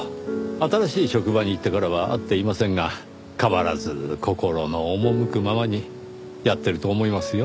新しい職場に行ってからは会っていませんが変わらず心の赴くままにやってると思いますよ。